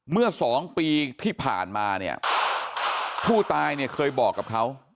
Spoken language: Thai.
เมื่อสองปีที่ผ่านมาเนี่ยผู้ตายเนี่ยเคยบอกกับเขา